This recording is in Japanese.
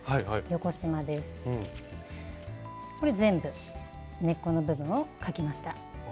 これ全部根っこの部分を描きました。